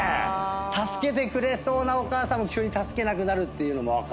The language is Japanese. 助けてくれそうなお母さんも急に助けなくなるのも分かる。